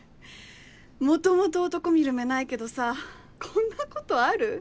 元々男見る目ないけどさこんなことある？